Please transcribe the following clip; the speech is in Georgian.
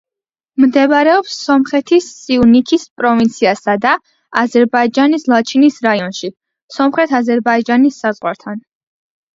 მდებარეობს სომხეთის სიუნიქის პროვინციასა და აზერბაიჯანის ლაჩინის რაიონში, სომხეთ-აზერბაიჯანის საზღვართან.